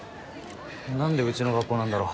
何でうちの学校なんだろう？